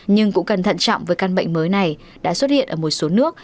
nhưng cũng cẩn thận trọng với căn bệnh mới này đã xuất hiện ở một số nước